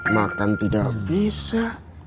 makan tidak bisa